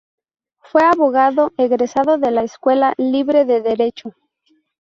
Fue abogado egresado de la Escuela Libre de Derecho.